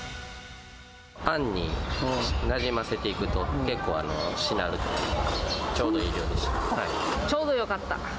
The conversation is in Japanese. あんになじませていくと、結構、しなるので、ちょうどよかった。